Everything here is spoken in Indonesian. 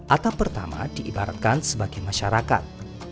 atap pertama diibaratkan sebagai masyarakat